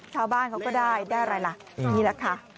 ชาวบ้านเขาก็ได้ได้อะไรล่ะนี่แหละค่ะ